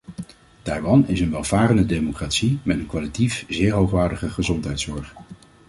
Taiwan is een welvarende democratie met een kwalitatief zeer hoogwaardige gezondheidszorg.